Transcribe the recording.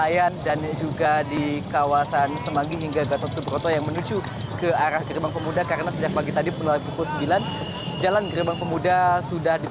pada hari ini saya akan menunjukkan kepada anda